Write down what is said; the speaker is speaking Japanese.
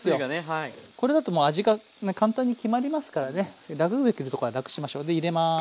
これだともう味が簡単に決まりますからね楽ができるとこは楽しましょ。で入れます。